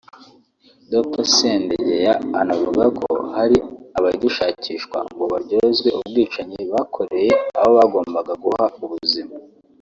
Dr Sendegeya anavuga ko hari n’abagishakishwa ngo baryozwe ubwicanyi bakoreye abo bagombaga guha ubuzima